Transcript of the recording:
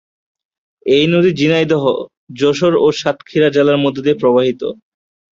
এই নদী ঝিনাইদহ, যশোর ও সাতক্ষীরা জেলার মধ্য দিয়ে প্রবাহিত।